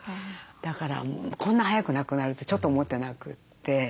だからこんな早く亡くなるってちょっと思ってなくて。